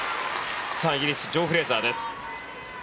イギリスジョー・フレーザーです。